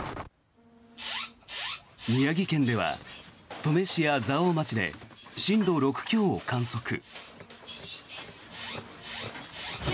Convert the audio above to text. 宮城県では登米市や蔵王町で震度６強を観測。